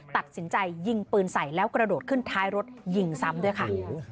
ตัดสินใจยิงปืนใส่แล้วกระโดดขึ้นท้ายรถยิงซ้ำด้วยค่ะ